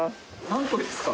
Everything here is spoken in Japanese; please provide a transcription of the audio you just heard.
何個ですか？